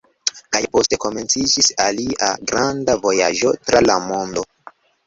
Kaj poste komenciĝis ilia granda vojaĝo tra la mondo.